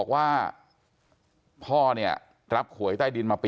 ความปลอดภัยของนายอภิรักษ์และครอบครัวด้วยซ้ำ